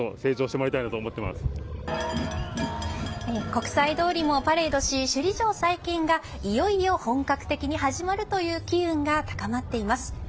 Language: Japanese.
国際通りもパレードし首里城再建がいよいよ本格的に始まるという機運が高まっています。